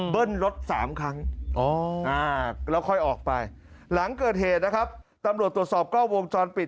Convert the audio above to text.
เบิ้ลลด๓ครั้งโอ้โหแล้วค่อยออกไปหลังเกิดเหตุนะครับตำรวจตรวจสอบ๙วงจรปิด